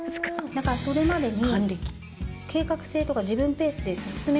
だからそれまでに。